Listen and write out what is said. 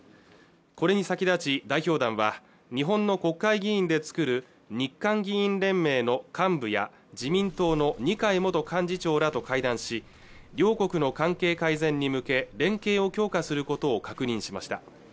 これに先立ち代表団は日本の国会議員で作る日韓議員連盟の幹部や自民党の二階元幹事長らと会談し両国の関係改善に向け連携を強化することを確認しました